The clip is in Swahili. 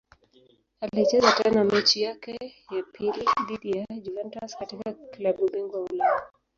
Alicheza tena mechi yake ya pili dhidi ya Juventus katika klabu bingwa Ulaya.